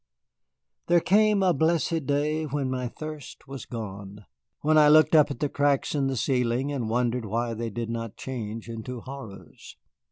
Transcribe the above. There came a blessed day when my thirst was gone, when I looked up at the cracks in the ceiling and wondered why they did not change into horrors.